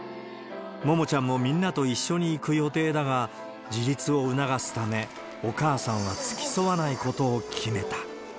ももちゃんもみんなと一緒に行く予定だが、自立を促すため、お母さんは付き添わないことを決めた。